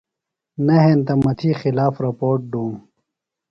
نہ ہینتہ مہ تھی خلاف رپوٹ دُوم۔